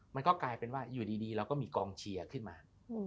มันก็กลายเป็นว่าอยู่ดีเราก็มีกองเชียร์ขึ้นมา